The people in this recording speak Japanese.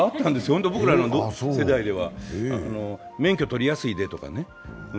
本当僕らの世代では、免許取りやすいでとかね。